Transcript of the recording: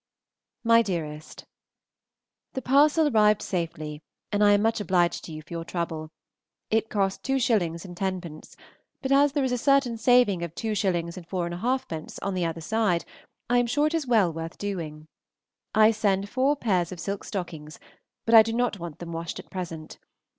MY DEAREST, The parcel arrived safely, and I am much obliged to you for your trouble. It cost 2_s._ 10_d._, but as there is a certain saving of 2_s._ 4½_d._ on the other side, I am sure it is well worth doing. I send four pair of silk stockings, but I do not want them washed at present.